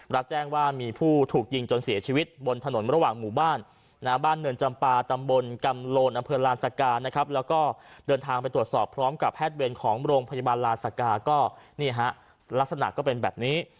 รับแจ้งว่ามีผู้ถูกยิงจนเสียชีวิตบนถนนระหว่างหมู่บ้านบ้านเนินจำปาตำบลกำโลนอำเภอลานสกานะครับแล้วก็เดินทางไปตรวจสอบพร้อมกับแพทย์เวรของโรงพยาบาลลาศกาก็นี่ฮะลักษณะก็เป็นแบบนี้